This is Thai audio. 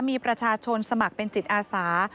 มีประชาชนสมัครเป็นจิตอาสา